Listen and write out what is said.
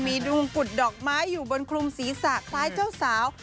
มีดวงกุฎดอกไม้อยู่บนคลุมศีรษะคล้ายเจ้าสาว